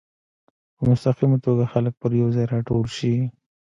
په مستقیمه توګه خلک پر یو ځای راټول شي.